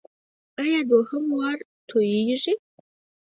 ایا دوهم وار توییږي؟